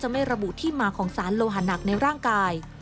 ไม่ระบุที่มาของสารโลหาหนักในร่างกาย